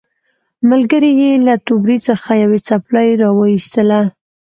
ملګري یې له توبرې څخه یوه څپلۍ راوایستله.